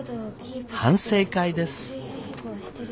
反省会です。